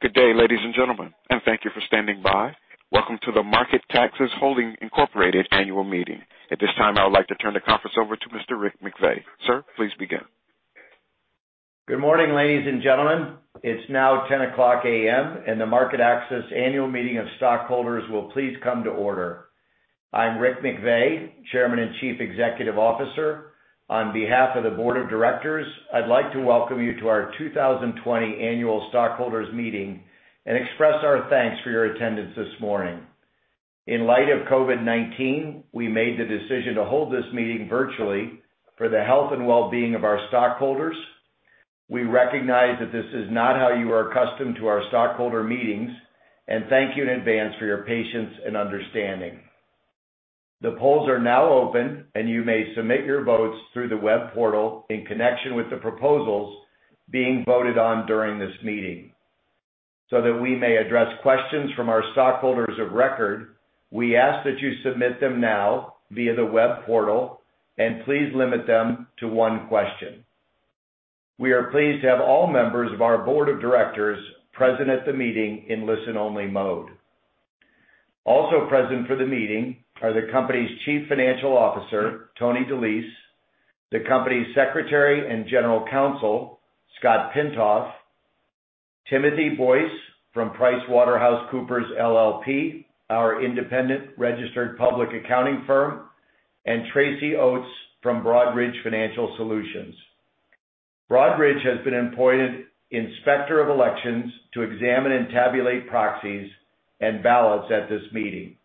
Good day, ladies and gentlemen, and thank you for standing by. Welcome to the MarketAxess Holdings Inc. annual meeting. At this time, I would like to turn the conference over to Mr. Rick McVey. Sir, please begin. Good morning, ladies and gentlemen. It's now 10:00 A.M., and the MarketAxess annual meeting of stockholders will please come to order. I'm Rick McVey, Chairman and Chief Executive Officer. On behalf of the board of directors, I'd like to welcome you to our 2020 annual stockholders meeting and express our thanks for your attendance this morning. In light of COVID-19, we made the decision to hold this meeting virtually for the health and wellbeing of our stockholders. We recognize that this is not how you are accustomed to our stockholder meetings, and thank you in advance for your patience and understanding. The polls are now open, and you may submit your votes through the web portal in connection with the proposals being voted on during this meeting. That we may address questions from our stockholders of record, we ask that you submit them now via the web portal, and please limit them to one question. We are pleased to have all members of our board of directors present at the meeting in listen-only mode. Also present for the meeting are the company's chief financial officer, Tony DeLise, the company's secretary and general counsel, Scott Pintoff, Timothy Boyce from PricewaterhouseCoopers LLP, our independent registered public accounting firm, and Tracy Oates from Broadridge Financial Solutions. Broadridge has been appointed inspector of elections to examine and tabulate proxies and ballots at this meeting.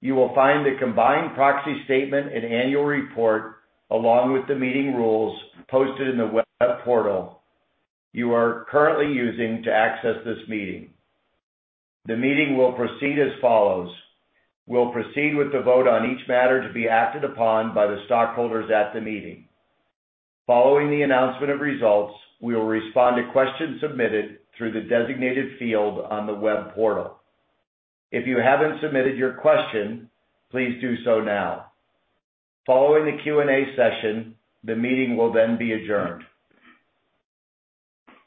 You will find the combined proxy statement and annual report, along with the meeting rules, posted in the web portal you are currently using to access this meeting. The meeting will proceed as follows. We'll proceed with the vote on each matter to be acted upon by the stockholders at the meeting. Following the announcement of results, we will respond to questions submitted through the designated field on the web portal. If you haven't submitted your question, please do so now. Following the Q&A session, the meeting will then be adjourned.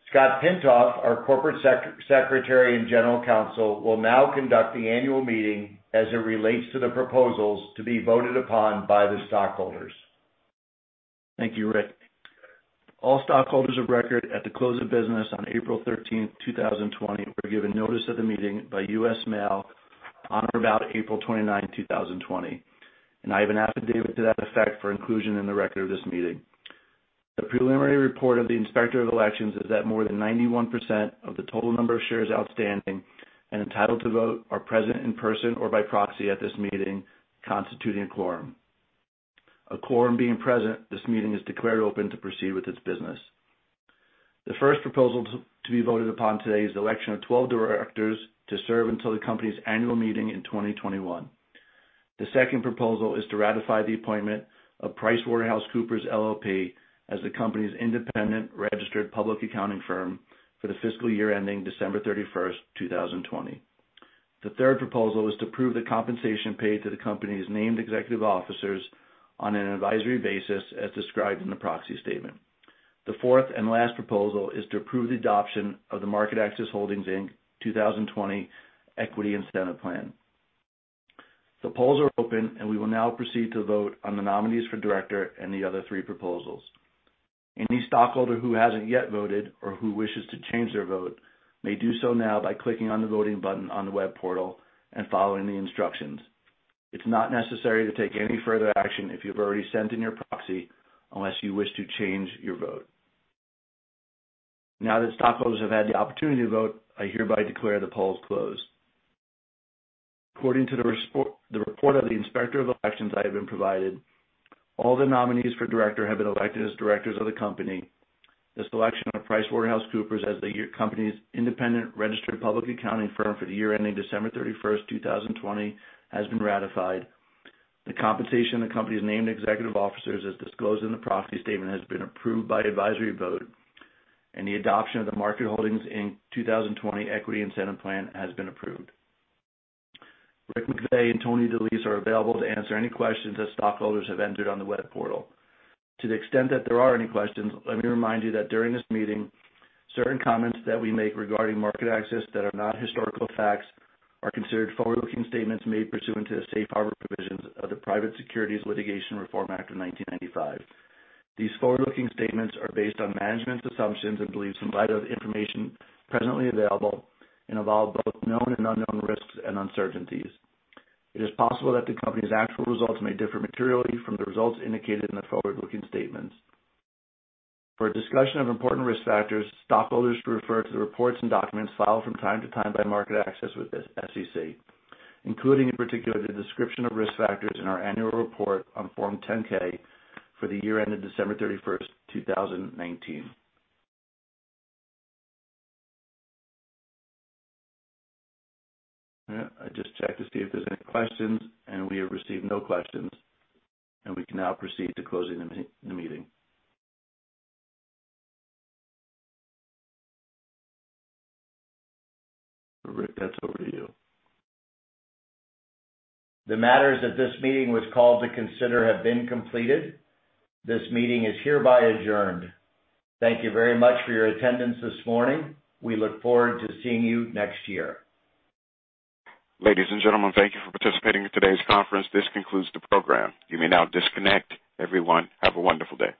Scott Pintoff, our Corporate Secretary and General Counsel, will now conduct the annual meeting as it relates to the proposals to be voted upon by the stockholders. Thank you, Rick. All stockholders of record at the close of business on April 13, 2020, were given notice of the meeting by U.S. Mail on or about April 29th, 2020, and I have an affidavit to that effect for inclusion in the record of this meeting. The preliminary report of the inspector of elections is that more than 91% of the total number of shares outstanding and entitled to vote are present in person or by proxy at this meeting, constituting a quorum. A quorum being present, this meeting is declared open to proceed with its business. The first proposal to be voted upon today is the election of 12 directors to serve until the company's annual meeting in 2021. The second proposal is to ratify the appointment of PricewaterhouseCoopers LLP as the company's independent registered public accounting firm for the fiscal year ending December 31st, 2020. The third proposal is to approve the compensation paid to the company's named executive officers on an advisory basis as described in the proxy statement. The fourth and last proposal is to approve the adoption of the MarketAxess Holdings, Inc. 2020 Equity Incentive Plan. The polls are open, and we will now proceed to vote on the nominees for director and the other three proposals. Any stockholder who hasn't yet voted or who wishes to change their vote may do so now by clicking on the voting button on the web portal and following the instructions. It's not necessary to take any further action if you've already sent in your proxy unless you wish to change your vote. Now that stockholders have had the opportunity to vote, I hereby declare the polls closed. According to the report of the inspector of elections I have been provided, all the nominees for director have been elected as directors of the company. The selection of PricewaterhouseCoopers as the company's independent registered public accounting firm for the year ending December 31st, 2020, has been ratified. The compensation of the company's named executive officers, as disclosed in the proxy statement, has been approved by advisory vote, and the adoption of the MarketAxess Holdings, Inc. 2020 Equity Incentive Plan has been approved. Rick McVey and Tony DeLise are available to answer any questions that stockholders have entered on the web portal. To the extent that there are any questions, let me remind you that during this meeting, certain comments that we make regarding MarketAxess that are not historical facts are considered forward-looking statements made pursuant to the safe harbor provisions of the Private Securities Litigation Reform Act of 1995. These forward-looking statements are based on management's assumptions and beliefs in light of the information presently available and involve both known and unknown risks and uncertainties. It is possible that the company's actual results may differ materially from the results indicated in the forward-looking statements. For a discussion of important risk factors, stockholders should refer to the reports and documents filed from time to time by MarketAxess with the SEC, including, in particular, the description of risk factors in our annual report on Form 10-K for the year ended December 31st, 2019. I just checked to see if there's any questions, and we have received no questions, and we can now proceed to closing the meeting. Rick, that's over to you. The matters that this meeting was called to consider have been completed. This meeting is hereby adjourned. Thank you very much for your attendance this morning. We look forward to seeing you next year. Ladies and gentlemen, thank you for participating in today's conference. This concludes the program. You may now disconnect. Everyone, have a wonderful day.